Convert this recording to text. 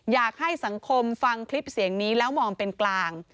อยากให้สังคมฟังคลิปเสียงนี้แล้วมองเป็นกลาง